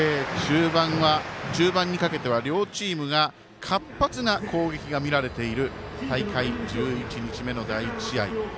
中盤にかけては、両チームが活発な攻撃が見られている大会１１日目の第１試合。